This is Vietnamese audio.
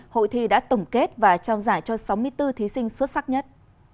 hội thi đã tổng kết và trao giải cho sáu mươi bốn thí sinh xuất sắc nhất